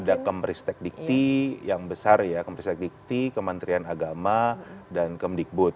ada kemristek dikti yang besar ya kemristek dikti kementerian agama dan kemdikbud